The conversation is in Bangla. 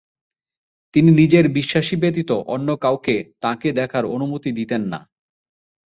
তিনি নিজের বিশ্বাসী ব্যতীত অন্য কাউকে তাঁকে দেখার অনুমতি দিতেন না।